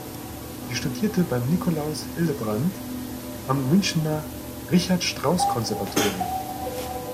Sie studierte bei Nikolaus Hillebrand am Münchner Richard-Strauss-Konservatorium.